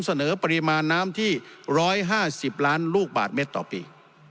เสนอปริมาณน้ำที่๑๕๐ล้านลูกบาทเมตรต่อปี